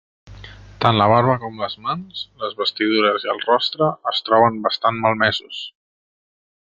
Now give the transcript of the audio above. Tant la barba com les mans, les vestidures i el rostre es troben bastant malmesos.